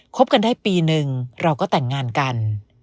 บกันได้ปีนึงเราก็แต่งงานกัน